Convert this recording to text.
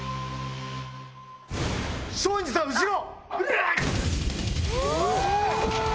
松陰寺さん後ろ！